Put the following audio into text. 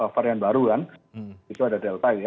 varian baru kan itu ada delta ya